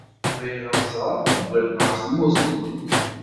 Bɣiɣ ad ẓṛeɣ ugar ɣef tmurt-nkent.